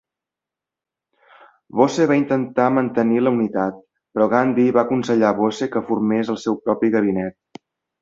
Bose va intentar mantenir la unitat, però Gandhi va aconsellar a Bose que formés el seu propi gabinet.